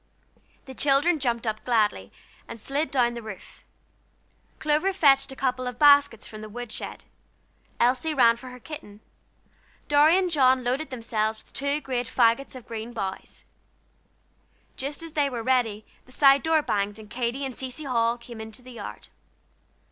The children jumped up gladly, and slid down the roof. Clover fetched a couple of baskets from the wood shed. Elsie ran for her kitten. Dorry and John loaded themselves with two great fagots of green boughs. Just as they were ready, the side door banged, and Katy and Cecy Hall came into the yard.